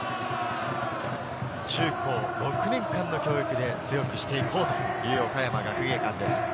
中高６年間の教育で強くしていこうという岡山学芸館です。